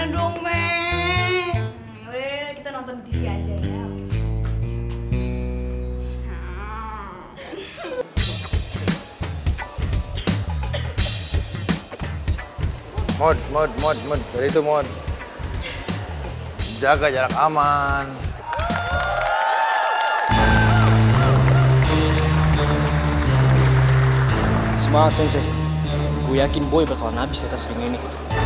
lo semua lihat aja gue bakal nabi sampai jadi gini